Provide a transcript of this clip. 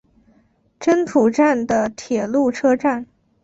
真土站的铁路车站。